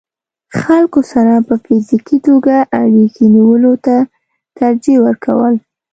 خلکو سره په فزيکي توګه اړيکې نيولو ته ترجيح ورکول